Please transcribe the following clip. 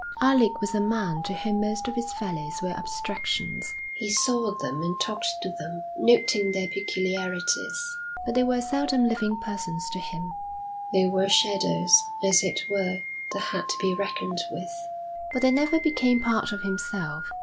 Alec was a man to whom most of his fellows were abstractions. He saw them and talked to them, noting their peculiarities, but they were seldom living persons to him. They were shadows, as it were, that had to be reckoned with, but they never became part of himself.